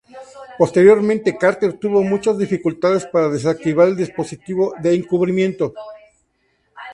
Posteriormente, Carter tuvo muchas dificultades para desactivar el dispositivo de encubrimiento.